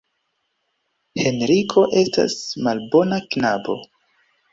Henriko estas malbona knabo.